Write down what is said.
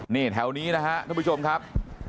นี่แถวนี้นะครับท่านผู้ชมครับ